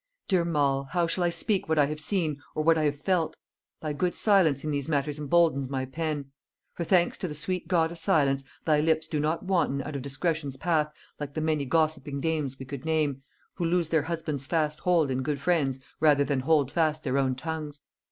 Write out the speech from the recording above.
Dear Mall, how shall I speak what I have seen or what I have felt? thy good silence in these matters emboldens my pen. For thanks to the sweet God of silence, thy lips do not wanton out of discretion's path like the many gossiping dames we could name, who lose their husbands' fast hold in good friends rather than hold fast their own tongues.